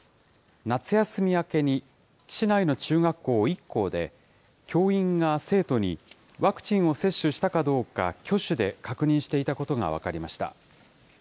夏休み明けに市内の中学校１校で、教員が生徒にワクチンを接種したかどうか、挙手で確認していたことが分かりました。